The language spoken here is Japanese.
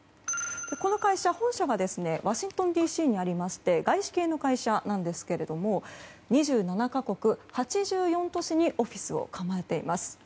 この会社、本社がワシントンＤＣにありまして外資系の会社なんですけど２７か国８４都市にオフィスを構えています。